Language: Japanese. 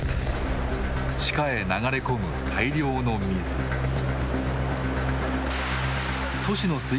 地下へ流れ込む大量の水。